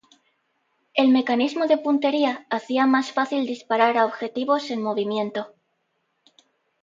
El mecanismo de puntería hacía más fácil disparar a objetivos en movimiento.